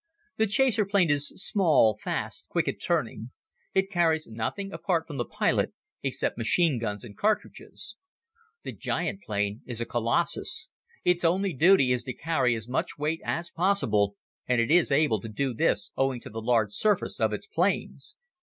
The chaser plane is small, fast, quick at turning. It carries nothing apart from the pilot except machine guns and cartridges. The giant plane is a colossus. Its only duty is to carry as much weight as possible and it is able to do this owing to the huge surface of its planes.